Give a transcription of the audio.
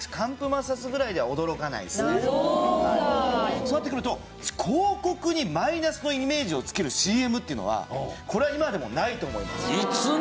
そうなってくると広告にマイナスのイメージを付けるＣＭっていうのはこれは今ではもうないと思います。